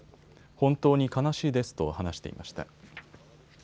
本当に悲しいですと話していました。